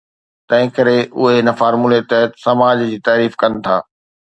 تنهن ڪري اهي هن فارمولي تحت سماج جي تعريف ڪن ٿا.